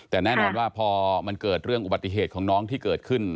แต่แน่นอนว่าพอมันเกิดเรื่องอุบัติเหตุของน้องที่เกิดขึ้น